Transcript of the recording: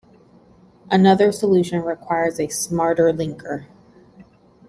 Another solution requires a smarter linker.